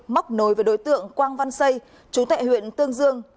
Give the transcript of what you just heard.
móc nối với đối tượng quang văn xây chú tại huyện tương dương